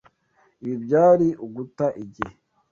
Ibi byari uguta igihe.